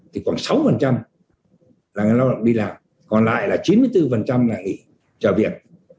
thì còn sáu là ngành lao động đi làm còn lại là chín mươi bốn là nghỉ trở việc